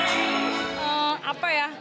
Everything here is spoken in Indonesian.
it's super ya